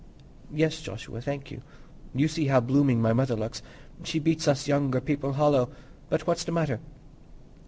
"Yes, Joshua, thank you. You see how blooming my mother looks. She beats us younger people hollow. But what's the matter?"